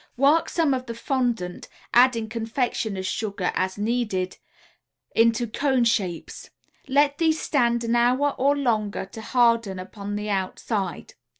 Work some of the fondant, adding confectioner's sugar as needed, into cone shapes; let these stand an hour or longer to harden upon the outside.